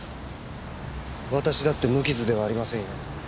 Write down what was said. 私だって無傷ではありませんよ。